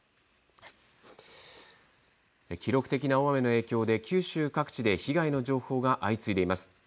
記録的な大雨の影響で九州各地で被害の情報が相次いでいます。